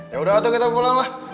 yaudah kita pulang lah